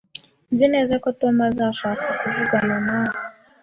Nzi neza ko Tom azashaka kuvugana nawe